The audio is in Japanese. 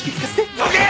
どけ！